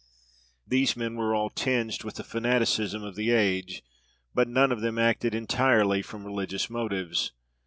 These men were all tinged with the fanaticism of the age, but none of them acted entirely from religious motives.